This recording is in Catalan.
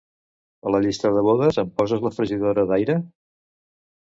A la llista de bodes em poses la fregidora d'aire?